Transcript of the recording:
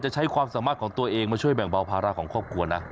ใช้ความสามารถของตัวเองมาช่วยแบ่งเบาภาระของครอบครัวนะ